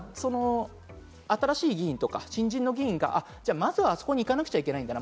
新しい議員とか新人の議員が、じゃあ、まずはあそこに行かなくちゃいけないんだ。